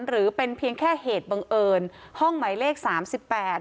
หรือเป็นเพียงแค่เหตุบังเอิญห้องหมายเลขสามสิบแปด